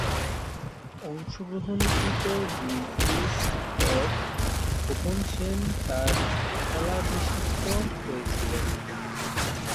অংশগ্রহণকৃত দুই টেস্ট পর খোকন সেন তার স্থলাভিষিক্ত হয়েছিলেন।